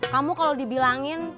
kamu kalau dibilangin